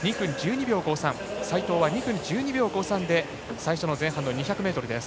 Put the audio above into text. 齋藤は２分１２秒５３で最初の前半の２００ｍです。